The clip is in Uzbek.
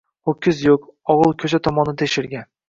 Ho‘kiz yo‘q, og‘il ko‘cha tomondan teshilgan